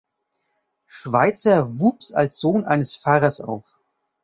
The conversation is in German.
Schweizer wuchs als Sohn eines Pfarrers auf.